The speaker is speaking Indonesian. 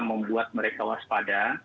membuat mereka waspada